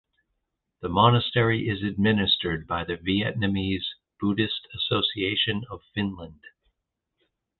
The monastery is administered by the Vietnamese Buddhist Association of Finland.